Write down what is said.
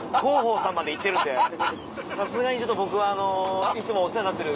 さすがに僕はあのいつもお世話になってる。